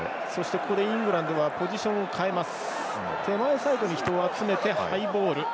ここでイングランドはポジションを変えます。